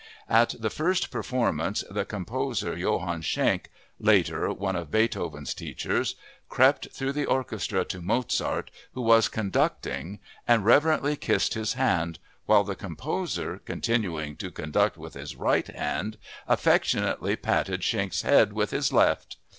At the first performance the composer Johann Schenk (later, one of Beethoven's teachers) crept through the orchestra to Mozart, who was conducting, and reverently kissed his hand, while the composer, continuing to conduct with his right hand, affectionately patted Schenk's head with his left.